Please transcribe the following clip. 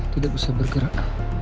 tidak bisa bergerak